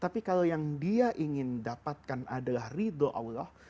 tapi kalau yang dia ingin dapatkan adalah ridho allah